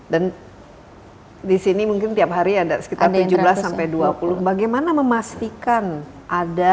dan di sini mungkin tiap hari ada sekitar tujuh belas dua puluh bagaimana memastikan ada